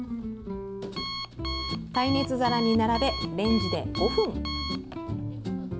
耐熱皿に並べ、レンジで５分。